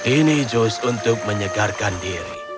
ini jus untuk menyegarkan diri